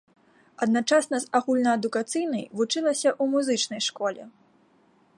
Адначасна з агульнаадукацыйнай, вучылася ў музычнай школе.